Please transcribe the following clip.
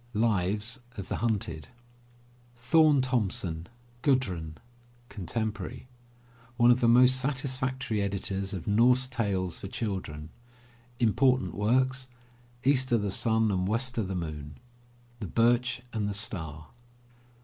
Lives of the Hunted. THORNE THOMSEN, GUDRUN (Contemporary) One of the most satisfactory editors of Norse Tales for children. Important Works: East '0 the Sun and West '0 the Moon. The Birch and the Star.